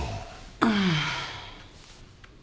うん。